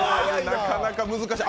なかなか難しい。